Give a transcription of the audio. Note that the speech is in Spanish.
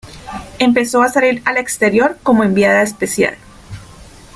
Empezó a salir al exterior como enviada especial.